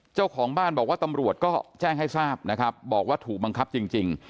เจ้าของบ้านบอกว่าตำรวจก็แจ้งให้ทราบนะครับบอกว่าถูกบังคับจริง